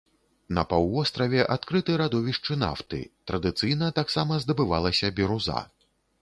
На паўвостраве адкрыты радовішчы нафты, традыцыйна таксама здабывалася біруза.